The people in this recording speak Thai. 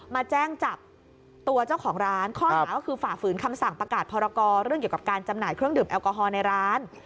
มาแจ้งจับตัวเจ้าของร้านข้อหาก็คือฝ่าฝืนคำสั่งประกาศพรกรเรื่องเกี่ยวกับการจำหน่ายเครื่องดื่มแอลกอฮอล์ในร้าน